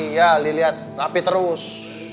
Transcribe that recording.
ya liat rapi terus